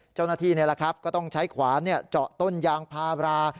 เจ้าหน้าที่นี่ละครับก็ต้องใช้ขวานเจาะต้นอย่างพารา